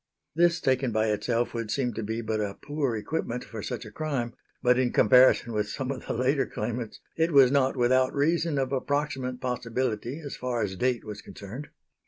This, taken by itself, would seem to be but a poor equipment for such a crime; but in comparison with some of the later claimants it was not without reason of approximate possibility as far as date was concerned.